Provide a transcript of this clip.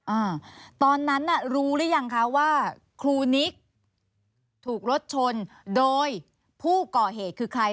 อ่าตอนนั้นน่ะรู้หรือยังคะว่าครูนิกถูกรถชนโดยผู้ก่อเหตุคือใคร